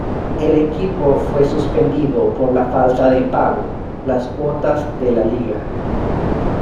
El equipo fue suspendido por la falta de pago las cuotas de la liga.